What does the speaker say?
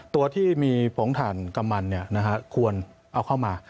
ตัวที่มีผงถ่านกำมันควรเอาเข้ามา